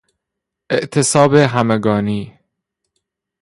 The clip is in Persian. اعتصاب همگانی